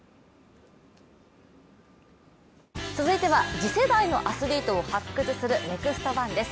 続いては次世代のアスリートを発掘する「ＮＥＸＴ☆１」です。